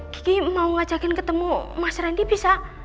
kiki mau ngajakin ketemu mas randy bisa